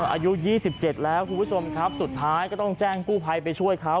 อายุยี่สิบเจ็ดแล้วคุณผู้ชมครับสุดท้ายก็ต้องแจ้งกู้ไภไปช่วยเขา